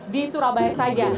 di surabaya saja